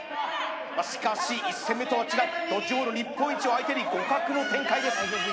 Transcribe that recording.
しかし１戦目とは違うドッジボール日本一を相手に互角の展開です